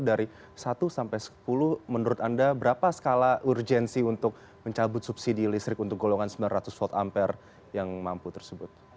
dari satu sampai sepuluh menurut anda berapa skala urgensi untuk mencabut subsidi listrik untuk golongan sembilan ratus volt ampere yang mampu tersebut